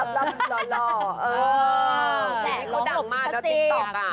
เออแหละก็ดังมากนะสิติดต่อกัน